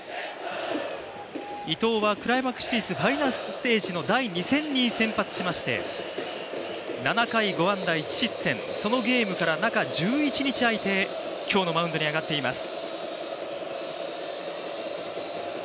伊藤はクライマックスシリーズファイナルステージの第２戦に先発しまして、７回５安打１失点そのゲームから中１１日空いて、今日のマウンドに上がっています。